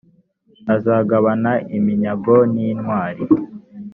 azagabana iminyago n’intwari